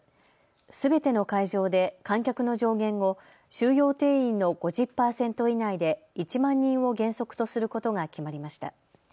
すべての会場で観客の上限を収容定員の５０％以内で１万人を原則とすることが決まりました。